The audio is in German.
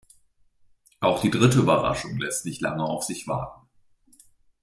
Auch die dritte Überraschung lässt nicht lange auf sich warten.